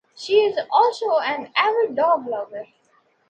She is also an avid dog lover.